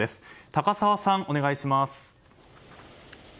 高沢さん、お願いします。